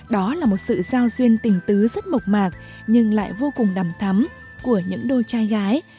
đó là một sự giao duyên tình tứ rất mộc mạc nhưng lại vô cùng đầm thắm của những đôi trai gái